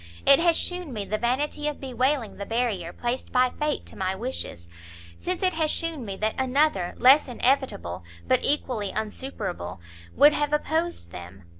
It has shewn me the vanity of bewailing the barrier, placed by fate to my wishes, since it has shewn me that another, less inevitable, but equally insuperable, would have opposed them.